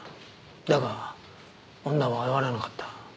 だが女は現れなかった。